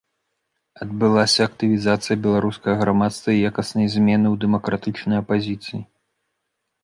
Адбылася актывізацыя беларускага грамадства і якасныя змены ў дэмакратычнай апазіцыі.